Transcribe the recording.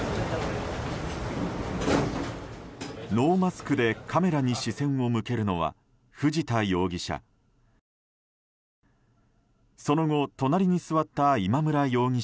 ノーマスクでカメラに視線を向けるのは藤田容疑者。